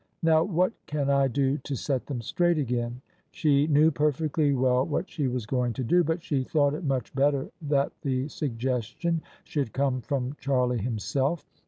Now what can I do to set them straight again ?" She knew perfectly well what she was going to do: but she thought it much better that the suggestion should come from Charlie himself.